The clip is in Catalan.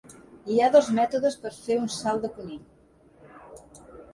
Hi ha dos mètodes per fer un salt de conill.